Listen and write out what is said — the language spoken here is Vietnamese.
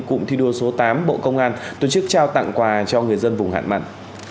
cụm thi đua số tám bộ công an tổ chức trao tặng quà cho người dân vùng hạn mặn